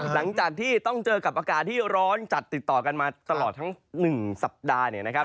หลังจากที่ต้องเจอกับอากาศที่ร้อนจัดติดต่อกันมาตลอดทั้ง๑สัปดาห์